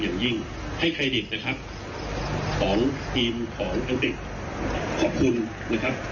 อย่างยิ่งให้เครดิตนะครับของทีมของอังกฤษขอบคุณนะครับ